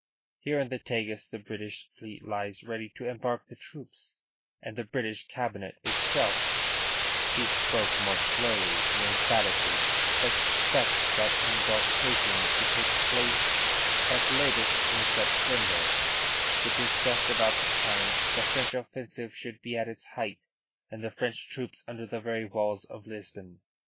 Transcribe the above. Here in the Tagus the British fleet lies ready to embark the troops, and the British Cabinet itself" (he spoke more slowly and emphatically) "expects that embarkation to take place at latest in September, which is just about the time that the French offensive should be at its height and the French troops under the very walls of Lisbon.